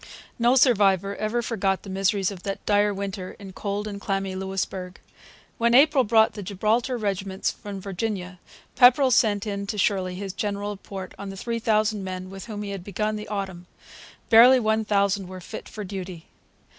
No survivor ever forgot the miseries of that dire winter in cold and clammy Louisbourg. When April brought the Gibraltar regiments from Virginia, Pepperrell sent in to Shirley his general report on the three thousand men with whom he had begun the autumn. Barely one thousand were fit for duty.